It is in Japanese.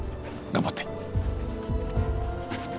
頑張って。